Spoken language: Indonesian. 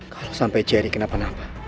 kalo sampe jerry kenapa napa